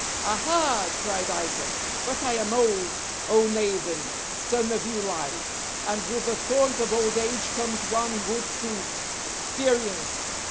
"Aha!" cried Isaac, "but I am old, O Nathan, son of Eli, and with the thorns of old age comes one good fruit, 'experience.'